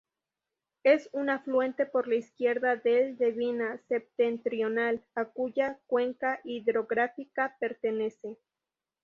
Es un afluente por la izquierda del Dvina Septentrional, a cuya cuenca hidrográfica pertenece.